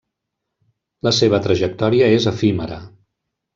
La seva trajectòria és efímera.